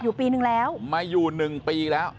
อยู่ปีนึงแล้วมาอยู่หนึ่งปีแล้ว